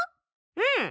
うん。